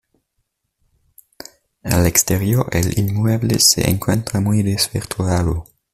Al exterior, el inmueble se encuentra muy desvirtuado.